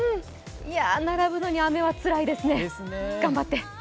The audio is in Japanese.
並ぶのに雨はつらいですね、頑張って！